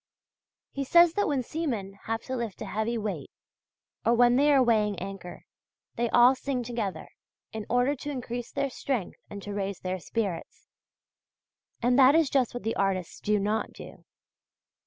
He says that when seamen have to lift a heavy weight, or when they are weighing anchor, they all sing together, in order to increase their strength and to raise their spirits and that is just what the artists do not do.